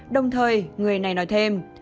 đồng thời người này nói thêm